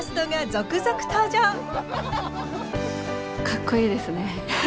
かっこいいですね。